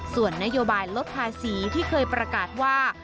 ส่วนนโยบายลดภาษีที่เคยประกาศว่า